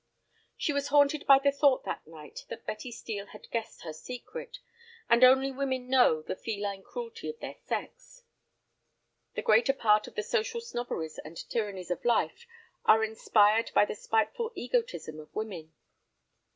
She was haunted by the thought that night that Betty Steel had guessed her secret, and only women know the feline cruelty of their sex. The greater part of the social snobberies and tyrannies of life are inspired by the spiteful egotism of women.